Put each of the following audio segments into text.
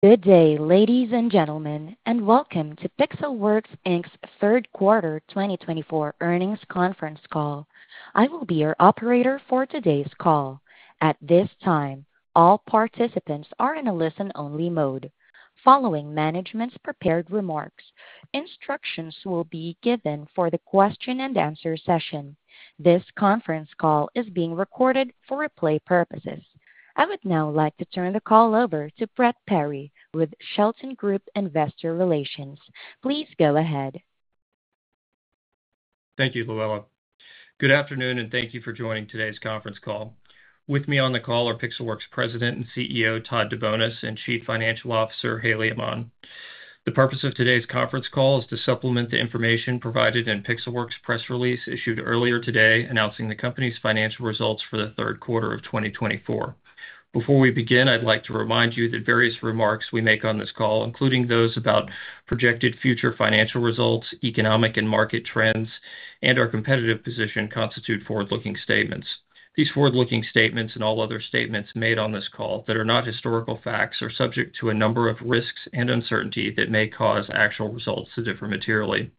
Good day, ladies and gentlemen, and welcome to Pixelworks, Inc.'s third quarter 2024 earnings conference call. I will be your operator for today's call. At this time, all participants are in a listen-only mode. Following management's prepared remarks, instructions will be given for the question-and-answer session. This conference call is being recorded for replay purposes. I would now like to turn the call over to Brett Perry with Shelton Group Investor Relations. Please go ahead. Thank you, Llewellyn. Good afternoon, and thank you for joining today's conference call. With me on the call are Pixelworks President and CEO Todd DeBonis and Chief Financial Officer Haley Aman. The purpose of today's conference call is to supplement the information provided in Pixelworks' press release issued earlier today announcing the company's financial results for the third quarter of 2024. Before we begin, I'd like to remind you that various remarks we make on this call, including those about projected future financial results, economic and market trends, and our competitive position, constitute forward-looking statements. These forward-looking statements and all other statements made on this call that are not historical facts are subject to a number of risks and uncertainty that may cause actual results to differ materially.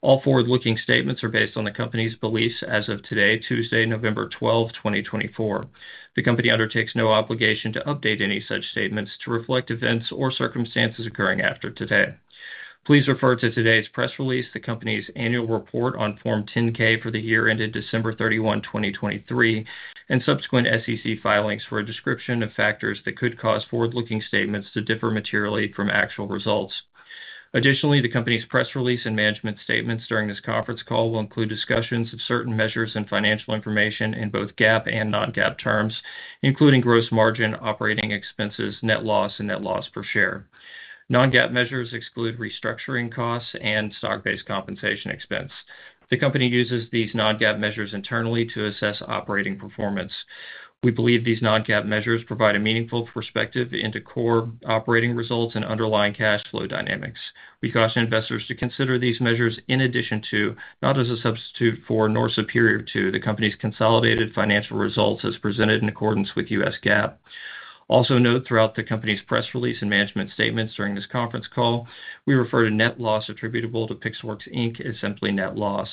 All forward-looking statements are based on the company's beliefs as of today, Tuesday, November 12, 2024. The company undertakes no obligation to update any such statements to reflect events or circumstances occurring after today. Please refer to today's press release, the company's annual report on Form 10-K for the year ended December 31, 2023, and subsequent SEC filings for a description of factors that could cause forward-looking statements to differ materially from actual results. Additionally, the company's press release and management statements during this conference call will include discussions of certain measures and financial information in both GAAP and non-GAAP terms, including gross margin, operating expenses, net loss, and net loss per share. Non-GAAP measures exclude restructuring costs and stock-based compensation expense. The company uses these non-GAAP measures internally to assess operating performance. We believe these non-GAAP measures provide a meaningful perspective into core operating results and underlying cash flow dynamics. We caution investors to consider these measures in addition to, not as a substitute for, nor superior to, the company's consolidated financial results as presented in accordance with U.S. GAAP. Also note, throughout the company's press release and management statements during this conference call, we refer to net loss attributable to Pixelworks Inc. as simply net loss.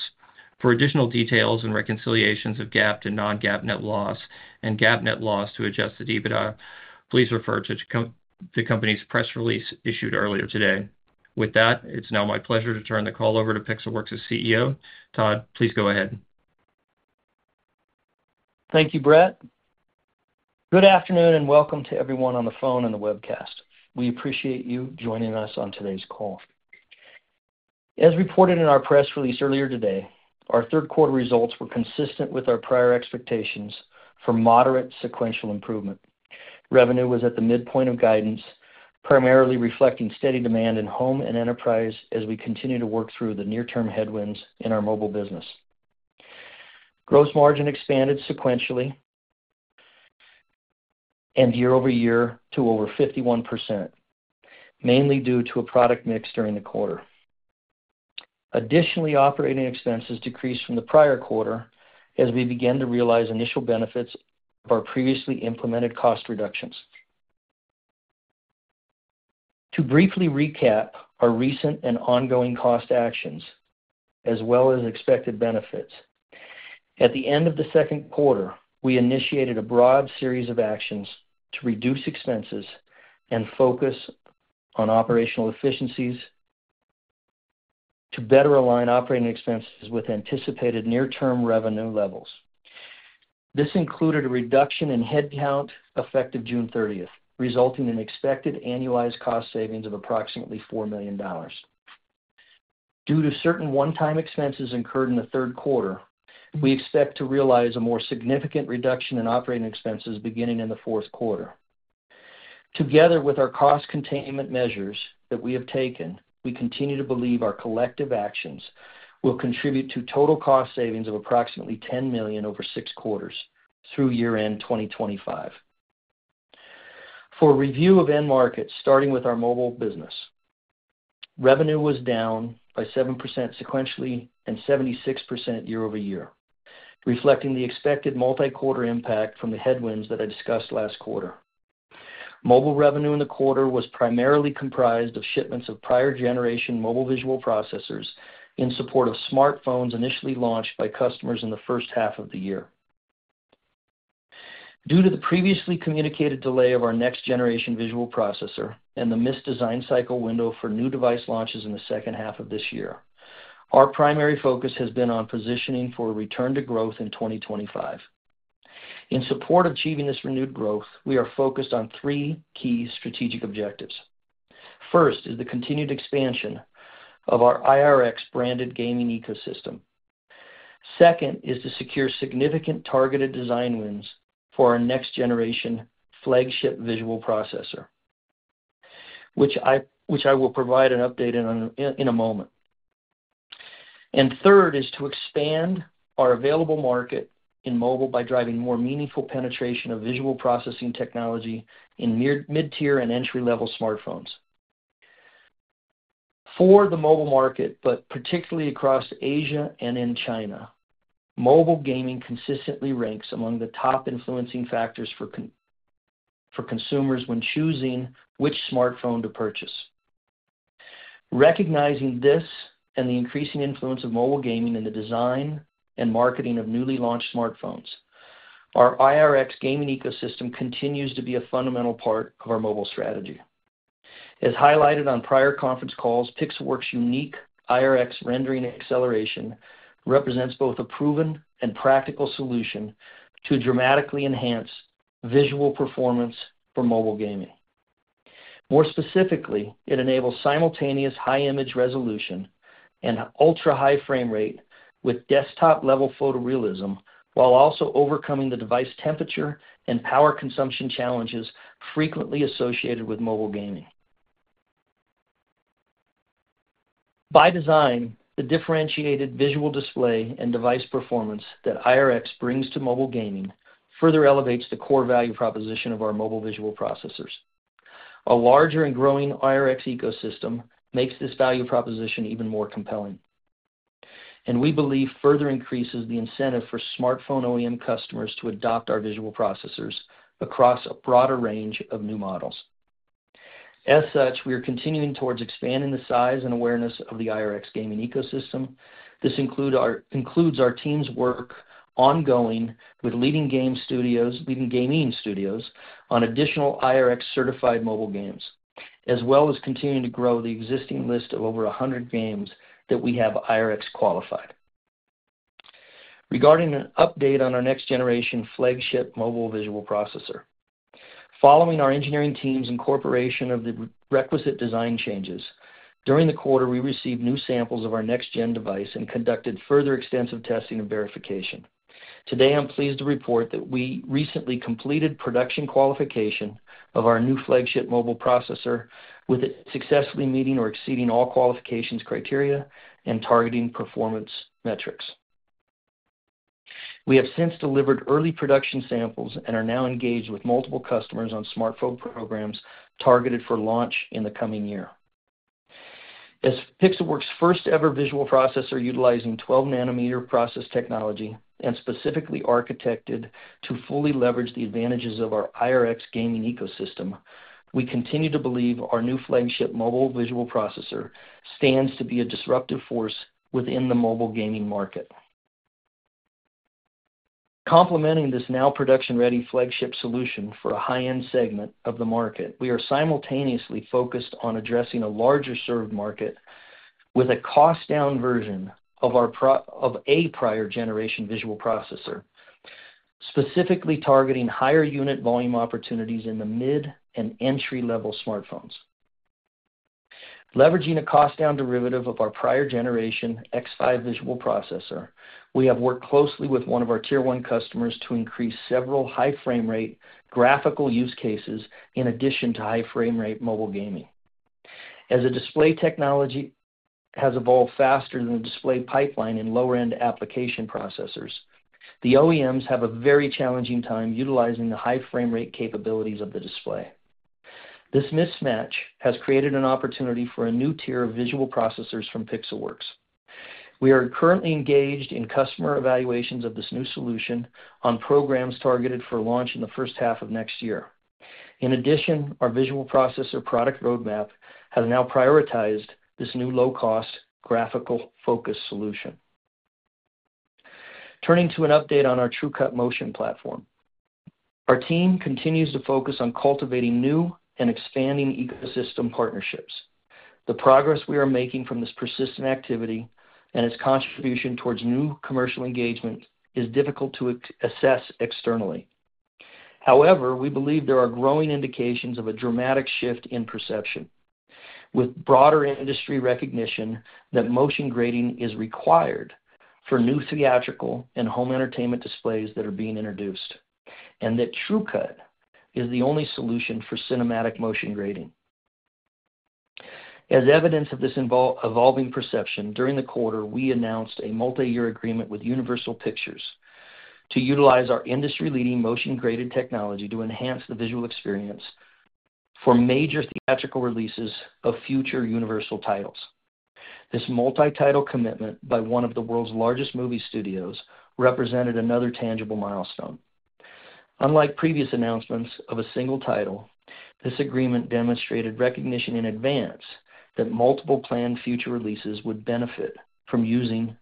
For additional details and reconciliations of GAAP to non-GAAP net loss and GAAP net loss to Adjusted EBITDA, please refer to the company's press release issued earlier today. With that, it's now my pleasure to turn the call over to Pixelworks' CEO, Todd. Please go ahead. Thank you, Brett. Good afternoon and welcome to everyone on the phone and the webcast. We appreciate you joining us on today's call. As reported in our press release earlier today, our third quarter results were consistent with our prior expectations for moderate sequential improvement. Revenue was at the midpoint of guidance, primarily reflecting steady demand in home and enterprise as we continue to work through the near-term headwinds in our mobile business. Gross margin expanded sequentially and year-over-year to over 51%, mainly due to a product mix during the quarter. Additionally, operating expenses decreased from the prior quarter as we began to realize initial benefits of our previously implemented cost reductions. To briefly recap our recent and ongoing cost actions, as well as expected benefits, at the end of the second quarter, we initiated a broad series of actions to reduce expenses and focus on operational efficiencies to better align operating expenses with anticipated near-term revenue levels. This included a reduction in headcount effective June 30th, resulting in expected annualized cost savings of approximately $4 million. Due to certain one-time expenses incurred in the third quarter, we expect to realize a more significant reduction in operating expenses beginning in the fourth quarter. Together with our cost containment measures that we have taken, we continue to believe our collective actions will contribute to total cost savings of approximately $10 million over six quarters through year-end 2025. For review of end markets, starting with our mobile business, revenue was down by 7% sequentially and 76% year-over-year, reflecting the expected multi-quarter impact from the headwinds that I discussed last quarter. Mobile revenue in the quarter was primarily comprised of shipments of prior-generation mobile visual processors in support of smartphones initially launched by customers in the first half of the year. Due to the previously communicated delay of our next-generation visual processor and the missed design cycle window for new device launches in the second half of this year, our primary focus has been on positioning for a return to growth in 2025. In support of achieving this renewed growth, we are focused on three key strategic objectives. First is the continued expansion of our IRX branded gaming ecosystem. Second is to secure significant targeted design wins for our next-generation flagship visual processor, which I will provide an update in a moment, and third is to expand our available market in mobile by driving more meaningful penetration of visual processing technology in mid-tier and entry-level smartphones. For the mobile market, but particularly across Asia and in China, mobile gaming consistently ranks among the top influencing factors for consumers when choosing which smartphone to purchase. Recognizing this and the increasing influence of mobile gaming in the design and marketing of newly launched smartphones, our IRX gaming ecosystem continues to be a fundamental part of our mobile strategy. As highlighted on prior conference calls, Pixelworks' unique IRX rendering acceleration represents both a proven and practical solution to dramatically enhance visual performance for mobile gaming. More specifically, it enables simultaneous high-image resolution and ultra-high frame rate with desktop-level photorealism while also overcoming the device temperature and power consumption challenges frequently associated with mobile gaming. By design, the differentiated visual display and device performance that IRX brings to mobile gaming further elevates the core value proposition of our mobile visual processors. A larger and growing IRX ecosystem makes this value proposition even more compelling, and we believe further increases the incentive for smartphone OEM customers to adopt our visual processors across a broader range of new models. As such, we are continuing towards expanding the size and awareness of the IRX gaming ecosystem. This includes our team's work ongoing with leading game studios, leading gaming studios on additional IRX-certified mobile games, as well as continuing to grow the existing list of over 100 games that we have IRX qualified. Regarding an update on our next-generation flagship mobile visual processor, following our engineering team's incorporation of the requisite design changes, during the quarter, we received new samples of our next-gen device and conducted further extensive testing and verification. Today, I'm pleased to report that we recently completed production qualification of our new flagship mobile processor with it successfully meeting or exceeding all qualifications criteria and targeting performance metrics. We have since delivered early production samples and are now engaged with multiple customers on smartphone programs targeted for launch in the coming year. As Pixelworks' first-ever visual processor utilizing 12-nanometer process technology and specifically architected to fully leverage the advantages of our IRX gaming ecosystem, we continue to believe our new flagship mobile visual processor stands to be a disruptive force within the mobile gaming market. Complementing this now production-ready flagship solution for a high-end segment of the market, we are simultaneously focused on addressing a larger-served market with a cost-down version of a prior-generation visual processor, specifically targeting higher unit volume opportunities in the mid and entry-level smartphones. Leveraging a cost-down derivative of our prior-generation X5 visual processor, we have worked closely with one of our tier-one customers to increase several high-frame-rate graphical use cases in addition to high-frame-rate mobile gaming. As the display technology has evolved faster than the display pipeline in lower-end application processors, the OEMs have a very challenging time utilizing the high-frame-rate capabilities of the display. This mismatch has created an opportunity for a new tier of visual processors from Pixelworks. We are currently engaged in customer evaluations of this new solution on programs targeted for launch in the first half of next year. In addition, our visual processor product roadmap has now prioritized this new low-cost graphical-focused solution. Turning to an update on our TrueCut Motion platform, our team continues to focus on cultivating new and expanding ecosystem partnerships. The progress we are making from this persistent activity and its contribution towards new commercial engagement is difficult to assess externally. However, we believe there are growing indications of a dramatic shift in perception, with broader industry recognition that motion grading is required for new theatrical and home entertainment displays that are being introduced, and that TrueCut is the only solution for cinematic motion grading. As evidence of this evolving perception, during the quarter, we announced a multi-year agreement with Universal Pictures to utilize our industry-leading motion-graded technology to enhance the visual experience for major theatrical releases of future Universal titles. This multi-title commitment by one of the world's largest movie studios represented another tangible milestone. Unlike previous announcements of a single title, this agreement demonstrated recognition in advance that multiple planned future releases would benefit from using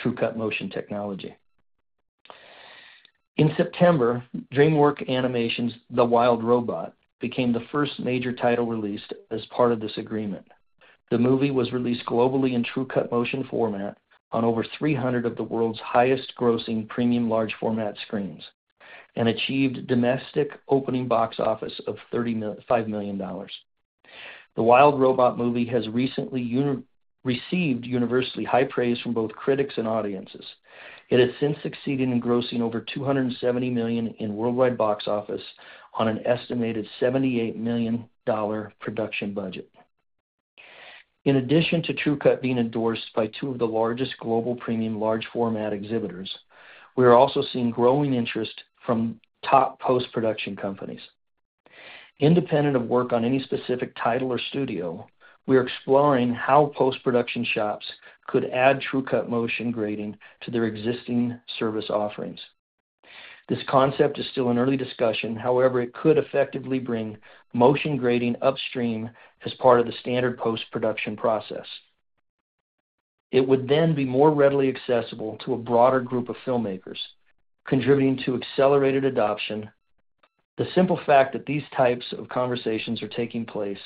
TrueCut Motion technology. In September, DreamWorks Animation's The Wild Robot became the first major title released as part of this agreement. The movie was released globally in TrueCut Motion format on over 300 of the world's highest-grossing premium large-format screens and achieved domestic opening box office of $5 million. The Wild Robot movie has recently received universally high praise from both critics and audiences. It has since succeeded in grossing over $270 million in worldwide box office on an estimated $78 million production budget. In addition to TrueCut being endorsed by two of the largest global premium large-format exhibitors, we are also seeing growing interest from top post-production companies. Independent of work on any specific title or studio, we are exploring how post-production shops could add TrueCut Motion grading to their existing service offerings. This concept is still in early discussion. However, it could effectively bring motion grading upstream as part of the standard post-production process. It would then be more readily accessible to a broader group of filmmakers, contributing to accelerated adoption. The simple fact that these types of conversations are taking place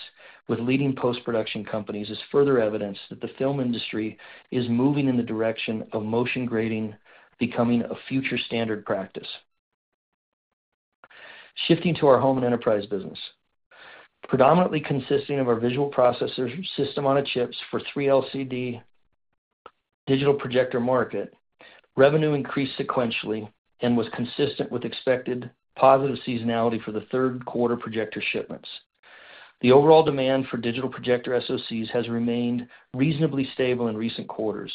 with leading post-production companies is further evidence that the film industry is moving in the direction of motion grading becoming a future standard practice. Shifting to our home and enterprise business, predominantly consisting of our visual processor system on a chip for 3LCD digital projector market, revenue increased sequentially and was consistent with expected positive seasonality for the third quarter projector shipments. The overall demand for digital projector SoCs has remained reasonably stable in recent quarters,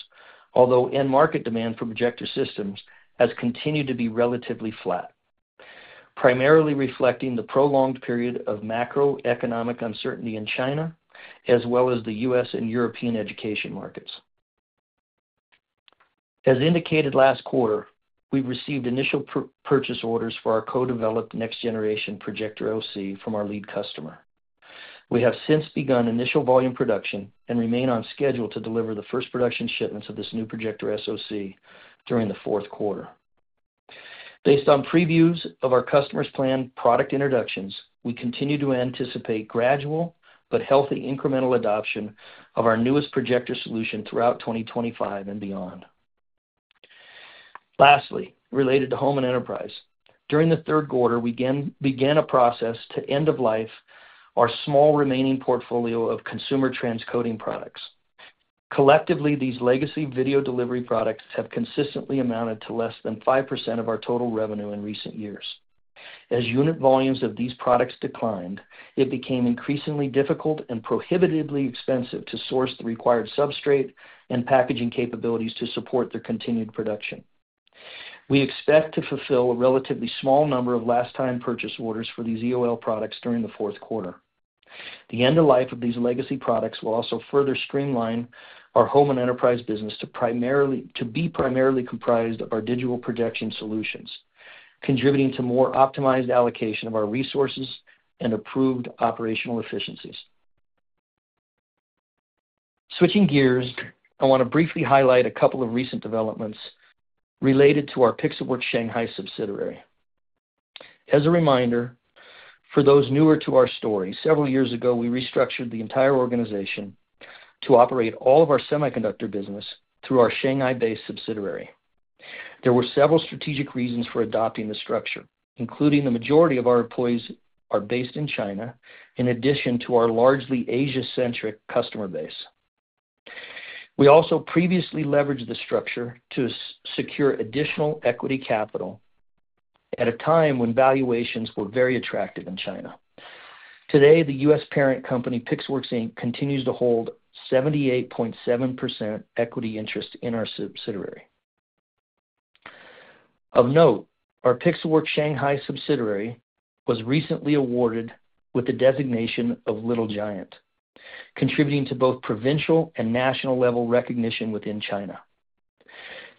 although end-market demand for projector systems has continued to be relatively flat, primarily reflecting the prolonged period of macroeconomic uncertainty in China, as well as the U.S. and European education markets. As indicated last quarter, we received initial purchase orders for our co-developed next-generation projector SoC from our lead customer. We have since begun initial volume production and remain on schedule to deliver the first production shipments of this new projector SoC during the fourth quarter. Based on previews of our customers' planned product introductions, we continue to anticipate gradual but healthy incremental adoption of our newest projector solution throughout 2025 and beyond. Lastly, related to home and enterprise, during the third quarter, we began a process to end of life our small remaining portfolio of consumer transcoding products. Collectively, these legacy video delivery products have consistently amounted to less than 5% of our total revenue in recent years. As unit volumes of these products declined, it became increasingly difficult and prohibitively expensive to source the required substrate and packaging capabilities to support their continued production. We expect to fulfill a relatively small number of last-time purchase orders for these EOL products during the fourth quarter. The end of life of these legacy products will also further streamline our home and enterprise business to be primarily comprised of our digital projection solutions, contributing to more optimized allocation of our resources and improved operational efficiencies. Switching gears, I want to briefly highlight a couple of recent developments related to our Pixelworks Shanghai subsidiary. As a reminder, for those newer to our story, several years ago, we restructured the entire organization to operate all of our semiconductor business through our Shanghai-based subsidiary. There were several strategic reasons for adopting the structure, including the majority of our employees are based in China, in addition to our largely Asia-centric customer base. We also previously leveraged the structure to secure additional equity capital at a time when valuations were very attractive in China. Today, the U.S. parent company Pixelworks, Inc. continues to hold 78.7% equity interest in our subsidiary. Of note, our Pixelworks Shanghai subsidiary was recently awarded with the designation of Little Giant, contributing to both provincial and national-level recognition within China.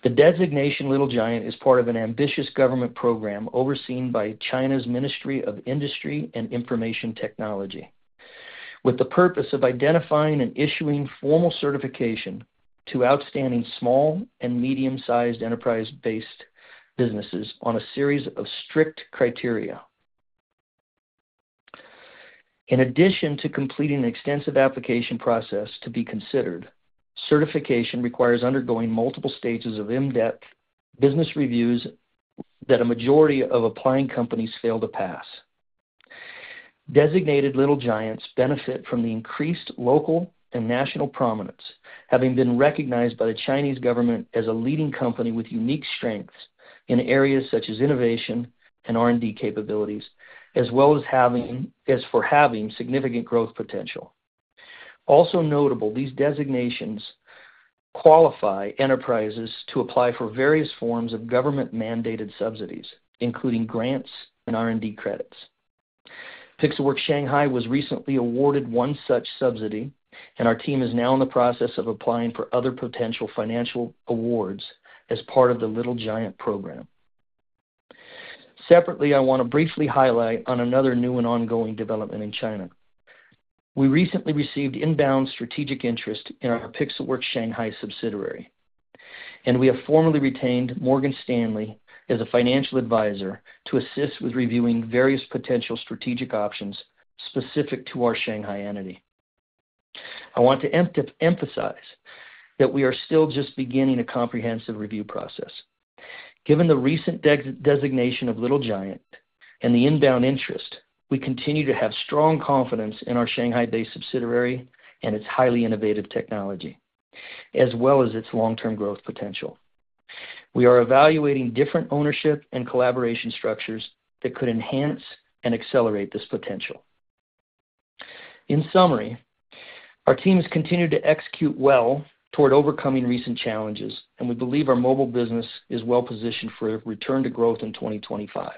The designation Little Giant is part of an ambitious government program overseen by China's Ministry of Industry and Information Technology, with the purpose of identifying and issuing formal certification to outstanding small and medium-sized enterprise-based businesses on a series of strict criteria. In addition to completing an extensive application process to be considered, certification requires undergoing multiple stages of in-depth business reviews that a majority of applying companies fail to pass. Designated Little Giants benefit from the increased local and national prominence, having been recognized by the Chinese government as a leading company with unique strengths in areas such as innovation and R&D capabilities, as well as for having significant growth potential. Also notable, these designations qualify enterprises to apply for various forms of government-mandated subsidies, including grants and R&D credits. Pixelworks Shanghai was recently awarded one such subsidy, and our team is now in the process of applying for other potential financial awards as part of the Little Giant program. Separately, I want to briefly highlight another new and ongoing development in China. We recently received inbound strategic interest in our Pixelworks Shanghai subsidiary, and we have formally retained Morgan Stanley as a financial advisor to assist with reviewing various potential strategic options specific to our Shanghai entity. I want to emphasize that we are still just beginning a comprehensive review process. Given the recent designation of Little Giant and the inbound interest, we continue to have strong confidence in our Shanghai-based subsidiary and its highly innovative technology, as well as its long-term growth potential. We are evaluating different ownership and collaboration structures that could enhance and accelerate this potential. In summary, our team has continued to execute well toward overcoming recent challenges, and we believe our mobile business is well-positioned for a return to growth in 2025.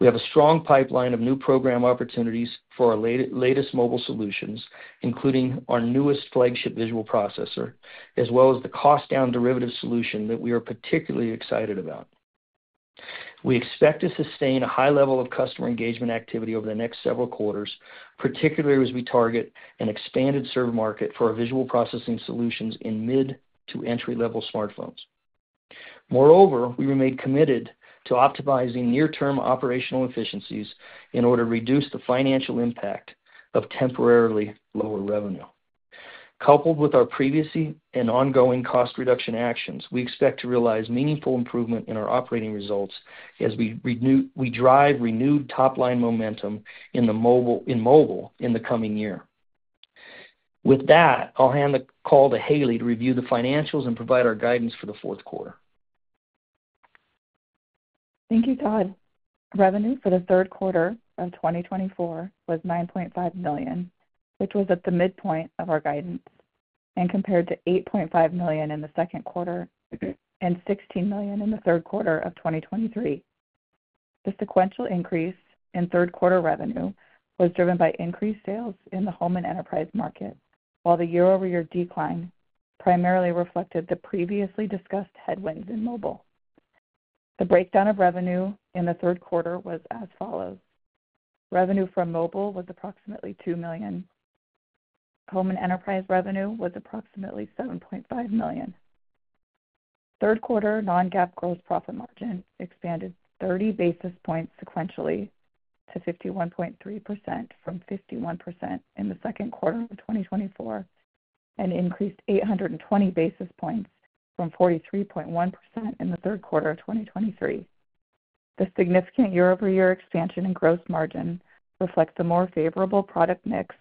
We have a strong pipeline of new program opportunities for our latest mobile solutions, including our newest flagship visual processor, as well as the cost-down derivative solution that we are particularly excited about. We expect to sustain a high level of customer engagement activity over the next several quarters, particularly as we target an expanded smartphone market for our visual processing solutions in mid to entry-level smartphones. Moreover, we remain committed to optimizing near-term operational efficiencies in order to reduce the financial impact of temporarily lower revenue. Coupled with our previous and ongoing cost reduction actions, we expect to realize meaningful improvement in our operating results as we drive renewed top-line momentum in mobile in the coming year. With that, I'll hand the call to Haley to review the financials and provide our guidance for the fourth quarter. Thank you, Todd. Revenue for the third quarter of 2024 was $9.5 million, which was at the midpoint of our guidance, and compared to $8.5 million in the second quarter and $16 million in the third quarter of 2023. The sequential increase in third-quarter revenue was driven by increased sales in the home and enterprise market, while the year-over-year decline primarily reflected the previously discussed headwinds in mobile. The breakdown of revenue in the third quarter was as follows: Revenue from mobile was approximately $2 million. Home and enterprise revenue was approximately $7.5 million. Third-quarter non-GAAP gross profit margin expanded 30 basis points sequentially to 51.3% from 51% in the second quarter of 2024 and increased 820 basis points from 43.1% in the third quarter of 2023. The significant year-over-year expansion in gross margin reflects a more favorable product mix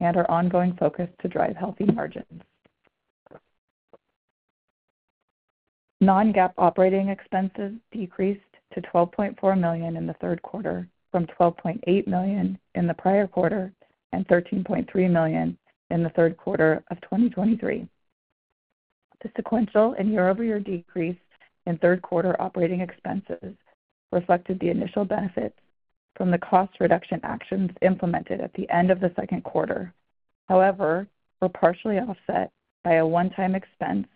and our ongoing focus to drive healthy margins. Non-GAAP operating expenses decreased to $12.4 million in the third quarter from $12.8 million in the prior quarter and $13.3 million in the third quarter of 2023. The sequential and year-over-year decrease in third-quarter operating expenses reflected the initial benefits from the cost reduction actions implemented at the end of the second quarter. However, we're partially offset by a one-time expense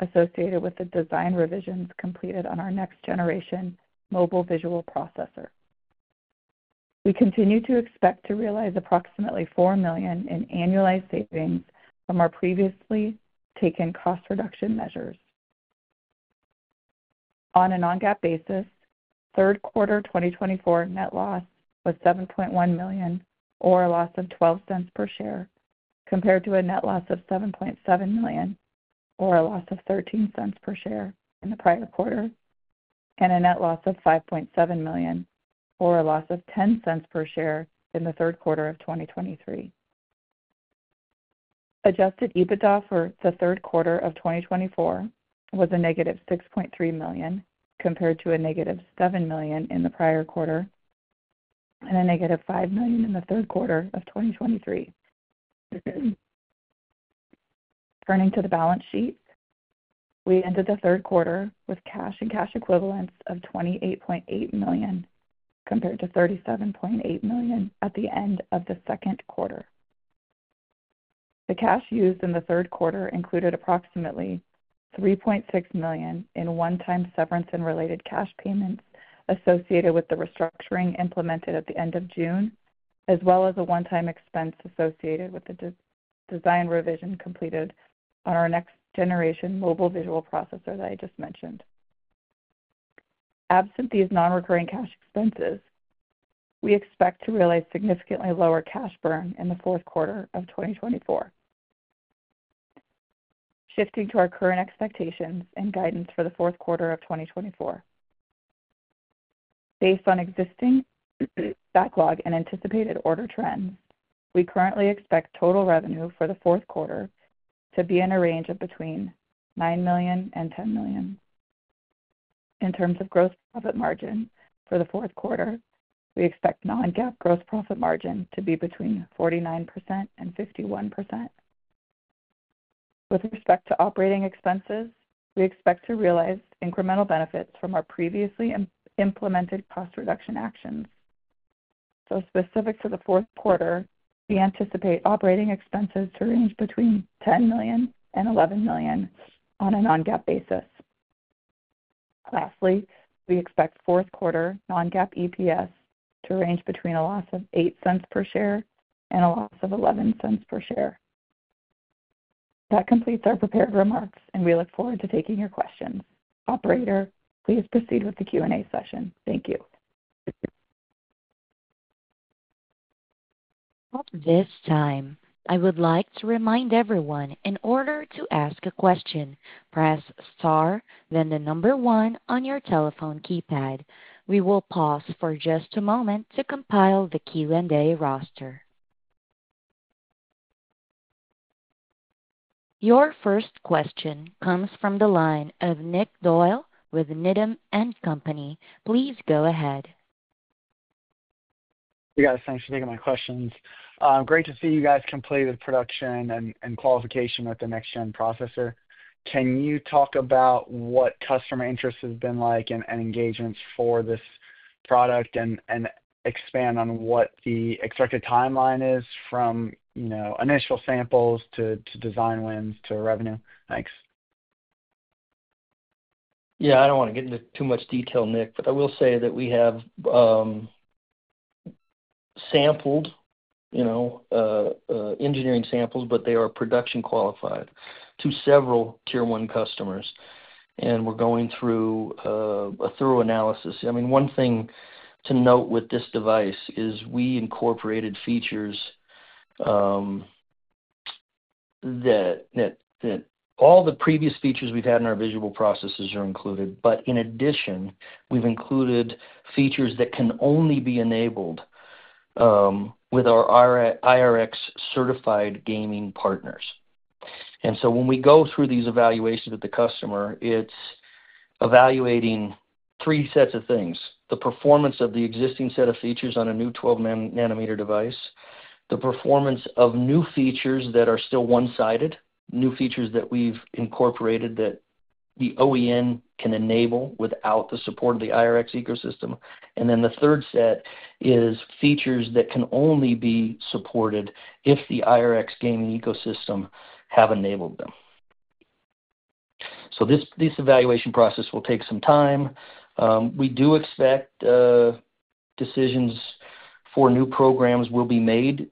associated with the design revisions completed on our next-generation mobile visual processor. We continue to expect to realize approximately $4 million in annualized savings from our previously taken cost reduction measures. On a Non-GAAP basis, third quarter 2024 net loss was $7.1 million, or a loss of $0.12 per share, compared to a net loss of $7.7 million, or a loss of $0.13 per share in the prior quarter, and a net loss of $5.7 million, or a loss of $0.10 per share in the third quarter of 2023. Adjusted EBITDA for the third quarter of 2024 was a negative $6.3 million, compared to a negative $7 million in the prior quarter and a negative $5 million in the third quarter of 2023. Turning to the balance sheet, we ended the third quarter with cash and cash equivalents of $28.8 million compared to $37.8 million at the end of the second quarter. The cash used in the third quarter included approximately $3.6 million in one-time severance and related cash payments associated with the restructuring implemented at the end of June, as well as a one-time expense associated with the design revision completed on our next-generation mobile visual processor that I just mentioned. Absent these non-recurring cash expenses, we expect to realize significantly lower cash burn in the fourth quarter of 2024. Shifting to our current expectations and guidance for the fourth quarter of 2024, based on existing backlog and anticipated order trends, we currently expect total revenue for the fourth quarter to be in a range of between $9 million and $10 million. In terms of gross profit margin for the fourth quarter, we expect non-GAAP gross profit margin to be between 49% and 51%. With respect to operating expenses, we expect to realize incremental benefits from our previously implemented cost reduction actions. So specific to the fourth quarter, we anticipate operating expenses to range between $10 million-$11 million on a non-GAAP basis. Lastly, we expect fourth quarter non-GAAP EPS to range between a loss of $0.08 per share and a loss of $0.11 per share. That completes our prepared remarks, and we look forward to taking your questions. Operator, please proceed with the Q&A session. Thank you. At this time, I would like to remind everyone, in order to ask a question, press star, then the number one on your telephone keypad. We will pause for just a moment to compile the Q&A roster. Your first question comes from the line of Nick Doyle with Needham & Company. Please go ahead. Hey, guys. Thanks for taking my questions. Great to see you guys complete with production and qualification with the next-gen processor. Can you talk about what customer interest has been like and engagements for this product and expand on what the expected timeline is from initial samples to design wins to revenue? Thanks. Yeah. I don't want to get into too much detail, Nick, but I will say that we have sampled engineering samples, but they are production qualified to several tier-one customers, and we're going through a thorough analysis. I mean, one thing to note with this device is we incorporated features that all the previous features we've had in our visual processors are included, but in addition, we've included features that can only be enabled with our IRX-certified gaming partners. And so when we go through these evaluations with the customer, it's evaluating three sets of things: the performance of the existing set of features on a new 12-nanometer device, the performance of new features that are still client-side, new features that we've incorporated that the OEM can enable without the support of the IRX gaming ecosystem, and then the third set is features that can only be supported if the IRX gaming ecosystem has enabled them. So this evaluation process will take some time. We do expect decisions for new programs will be made.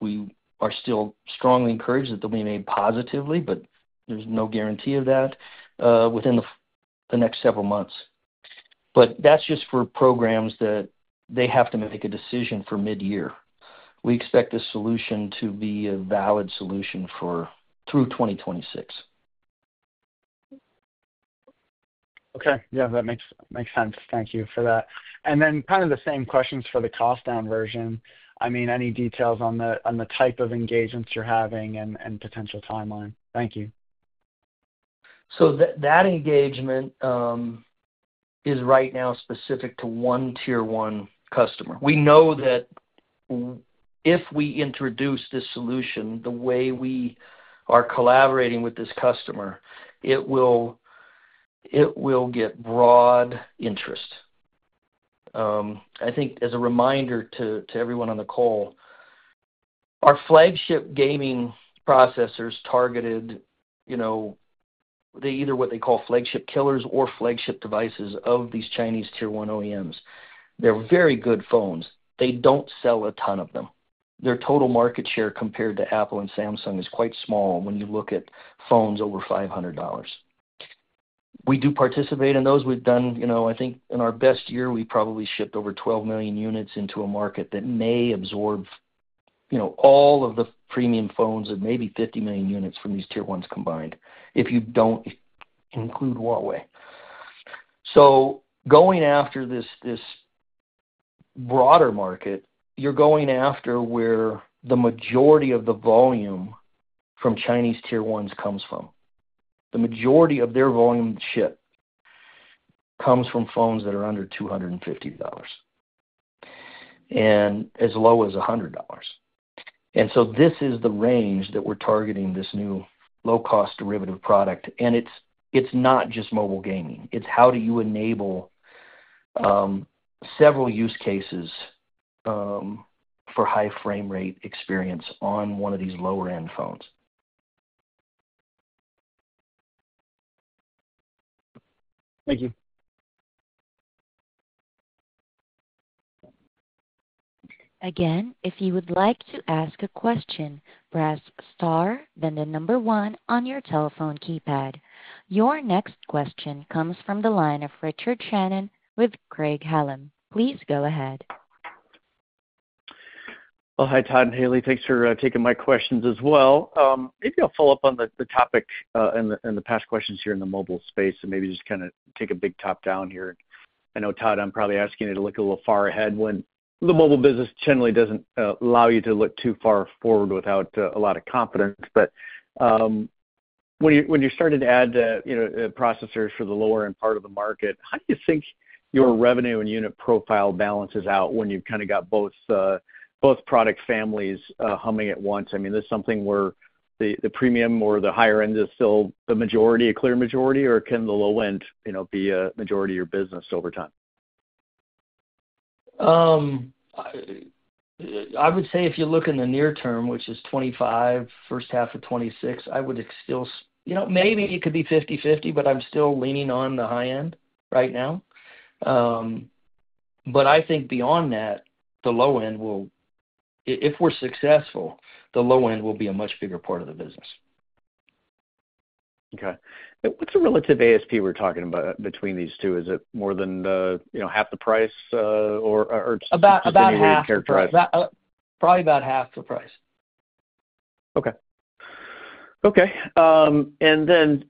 We are still strongly encouraged that they'll be made positively, but there's no guarantee of that within the next several months. But that's just for programs that they have to make a decision for mid-year. We expect this solution to be a valid solution through 2026. Okay. Yeah. That makes sense. Thank you for that. And then kind of the same questions for the cost-down version. I mean, any details on the type of engagements you're having and potential timeline? Thank you. So that engagement is right now specific to one tier-one customer. We know that if we introduce this solution the way we are collaborating with this customer, it will get broad interest. I think as a reminder to everyone on the call, our flagship gaming processors targeted either what they call flagship killers or flagship devices of these Chinese tier-one OEMs. They're very good phones. They don't sell a ton of them. Their total market share compared to Apple and Samsung is quite small when you look at phones over $500. We do participate in those. We've done, I think, in our best year, we probably shipped over 12 million units into a market that may absorb all of the premium phones and maybe 50 million units from these tier-ones combined, if you don't include Huawei, so going after this broader market, you're going after where the majority of the volume from Chinese tier-ones comes from. The majority of their volume ship comes from phones that are under $250 and as low as $100, and so this is the range that we're targeting this new low-cost derivative product, and it's not just mobile gaming. It's how do you enable several use cases for high frame rate experience on one of these lower-end phones. Thank you. Again, if you would like to ask a question, press star, then the number one on your telephone keypad. Your next question comes from the line of Richard Shannon with Craig-Hallum. Please go ahead. Well, hi, Todd and Haley. Thanks for taking my questions as well. Maybe I'll follow up on the topic and the past questions here in the mobile space and maybe just kind of take a big top down here. I know, Todd, I'm probably asking you to look a little far ahead when the mobile business generally doesn't allow you to look too far forward without a lot of confidence. But when you're starting to add processors for the lower-end part of the market, how do you think your revenue and unit profile balances out when you've kind of got both product families humming at once? I mean, this is something where the premium or the higher-end is still the majority, a clear majority, or can the low-end be a majority of your business over time? I would say if you look in the near term, which is 2025, first half of 2026, I would still maybe it could be 50/50, but I'm still leaning on the high-end right now. But I think beyond that, the low-end will, if we're successful, the low-end will be a much bigger part of the business. Okay. What's the relative ASP we're talking about between these two? Is it more than half the price or something you need to characterize? About half. Probably about half the price. Okay. Okay. And then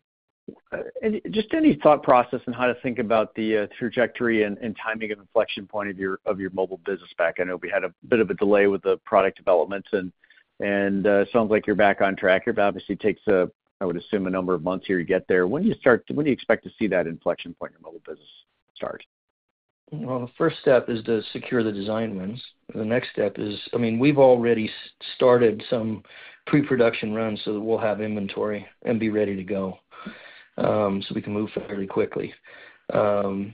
just any thought process and how to think about the trajectory and timing of inflection point of your mobile business back. I know we had a bit of a delay with the product development, and it sounds like you're back on track. It obviously takes, I would assume, a number of months here to get there. When do you start? When do you expect to see that inflection point in your mobile business start? Well, the first step is to secure the design wins. The next step is, I mean, we've already started some pre-production runs so that we'll have inventory and be ready to go so we can move fairly quickly. So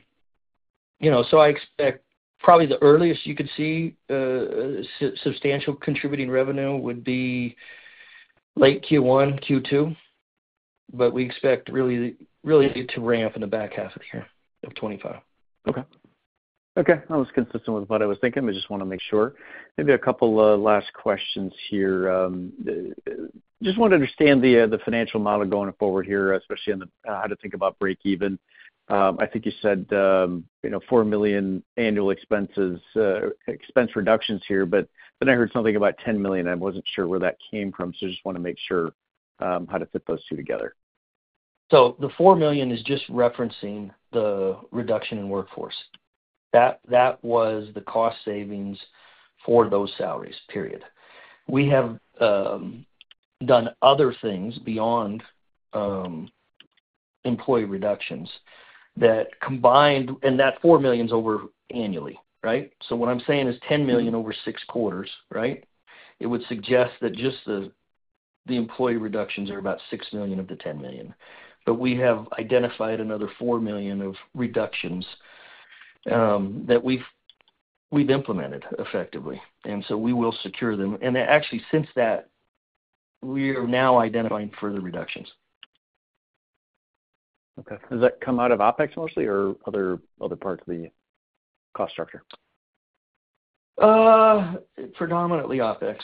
I expect probably the earliest you could see substantial contributing revenue would be late Q1, Q2, but we expect really to ramp in the back half of the year of 2025. Okay. Okay. That was consistent with what I was thinking. I just want to make sure. Maybe a couple of last questions here. Just want to understand the financial model going forward here, especially on how to think about break-even. I think you said $4 million annual expenses, expense reductions here, but then I heard something about $10 million. I wasn't sure where that came from, so I just want to make sure how to fit those two together. So the $4 million is just referencing the reduction in workforce. That was the cost savings for those salaries, period. We have done other things beyond employee reductions that combined, and that $4 million's over annually, right? So what I'm saying is $10 million over six quarters, right? It would suggest that just the employee reductions are about $6 million of the $10 million. But we have identified another $4 million of reductions that we've implemented effectively. And so we will secure them. And actually, since that, we are now identifying further reductions. Okay. Does that come out of OpEx mostly or other parts of the cost structure? Predominantly OpEx.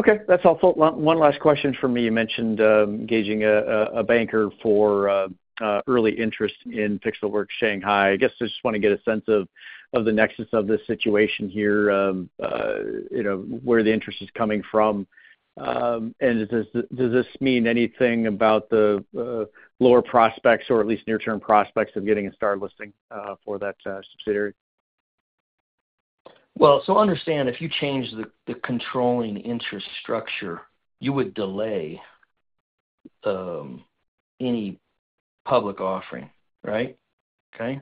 Okay. That's helpful. One last question for me. You mentioned engaging a banker for early interest in Pixelworks Shanghai. I guess I just want to get a sense of the nexus of this situation here, where the interest is coming from. And does this mean anything about the lower prospects or at least near-term prospects of getting a STAR listing for that subsidiary? Well, so understand if you change the controlling interest structure, you would delay any public offering, right? Okay?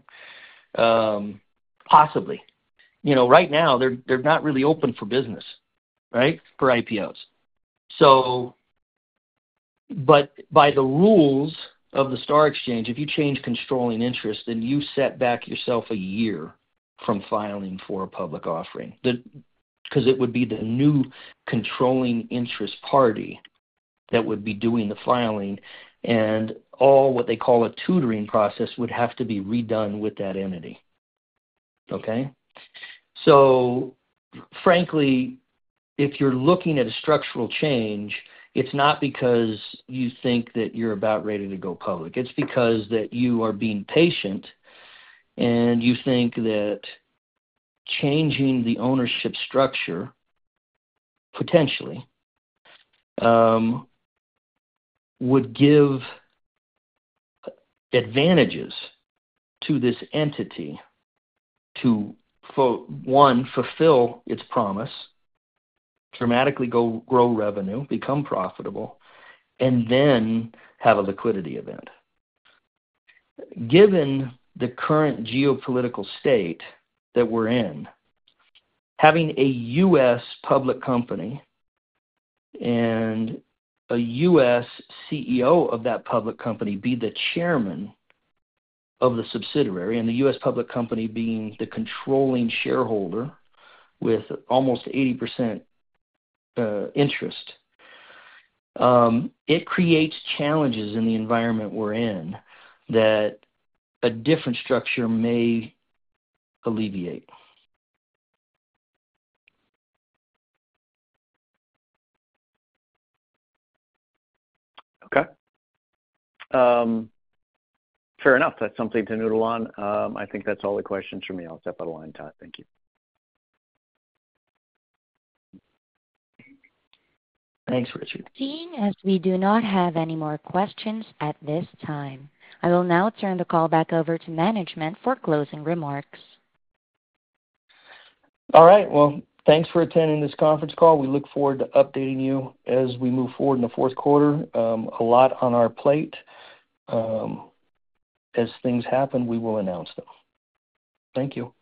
Possibly. Right now, they're not really open for business, right, for IPOs. But by the rules of the Star Exchange, if you change controlling interest, then you set back yourself a year from filing for a public offering because it would be the new controlling interest party that would be doing the filing, and all what they call a tutoring process would have to be redone with that entity. Okay? So frankly, if you're looking at a structural change, it's not because you think that you're about ready to go public. It's because that you are being patient and you think that changing the ownership structure potentially would give advantages to this entity to, one, fulfill its promise, dramatically grow revenue, become profitable, and then have a liquidity event. Given the current geopolitical state that we're in, having a U.S. public company and a U.S. CEO of that public company be the chairman of the subsidiary and the U.S. public company being the controlling shareholder with almost 80% interest, it creates challenges in the environment we're in that a different structure may alleviate. Okay. Fair enough. That's something to noodle on. I think that's all the questions for me. I'll step out of line, Todd. Thank you. Thanks, Richard. Since, as we do not have any more questions at this time, I will now turn the call back over to management for closing remarks. All right. Well, thanks for attending this conference call. We look forward to updating you as we move forward in the fourth quarter. A lot on our plate. As things happen, we will announce them. Thank you.